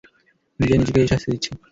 নিজেই নিজেকে এই শাস্তি দিচ্ছি।